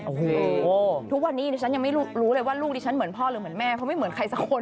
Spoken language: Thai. โอ้โหทุกวันนี้ดิฉันยังไม่รู้เลยว่าลูกดิฉันเหมือนพ่อหรือเหมือนแม่เพราะไม่เหมือนใครสักคน